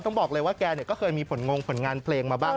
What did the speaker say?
ต้องบอกเลยว่าแกก็เคยมีผลงผลงานเพลงมาบ้าง